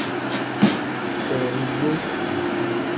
Beelidu.